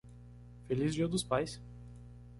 Feliz dia dos pais!